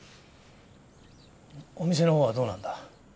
お店のほうはどうなんだ？